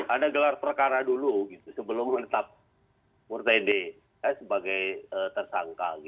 ada gelar perkara dulu sebelum menetap murtede sebagai tersangka